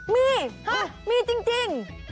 มีมีจริง